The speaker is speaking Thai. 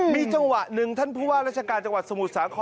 มีจังหวะหนึ่งท่านผู้ว่าราชการสมุทร๓ค